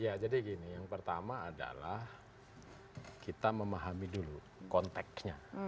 ya jadi gini yang pertama adalah kita memahami dulu konteknya